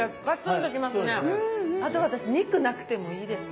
あと私肉なくてもいいです。